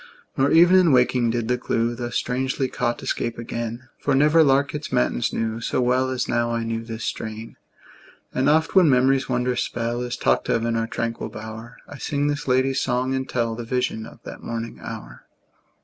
Nor even in waking did the clew, Thus strangely caught, escape again; For never lark its matins knew So well as now I knew this strain. And oft when memory's wondrous spell Is talked of in our tranquil bower, I sing this lady's song, and tell The vision of that morning hour.